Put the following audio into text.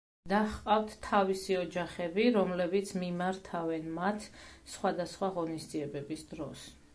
და ჰყავთ თავისი ოჯახები, რომლებიც მიმართავენ მათ სხვადასხვა ღონისძიებების დროს.